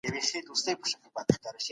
نړيوال قوانين څنګه د هېوادونو چلند تنظيموي؟